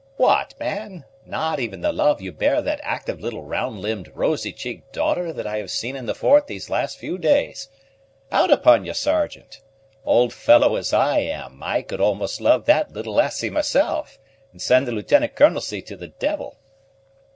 "What, man! not even the love you bear that active little round limbed, rosy cheeked daughter that I have seen in the fort these last few days! Out upon you, Sergeant! old fellow as I am, I could almost love that little lassie myself, and send the lieutenant colonelcy to the devil."